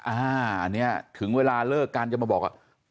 อันนี้ถึงเวลาเลิกกันจะมาบอกว่า